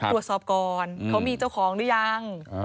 ตรวจสอบก่อนเขามีเจ้าของหรือยัง